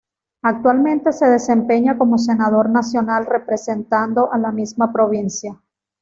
Actualmente se desempeña como senador nacional representando a la misma provincia.